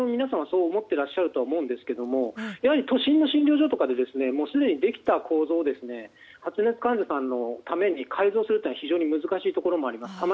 そう思っていらっしゃると思いますがやはり都心の診療所とかですでにできた構造を発熱患者さんのために改造するのは非常に難しいところがあります。